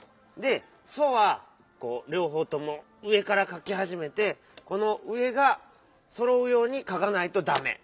で「ソ」はこうりょうほうとも上からかきはじめてこの上がそろうようにかかないとダメ！